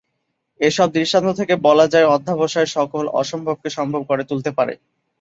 এসব দৃষ্টান্ত থেকে বলা যায় অধ্যবসায় সকল অসম্ভবকে সম্ভব করে তুলতে পারে।